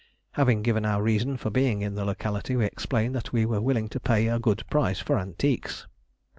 Having given our reason for being in the locality, we explained that we were willing to pay a good price for antiques.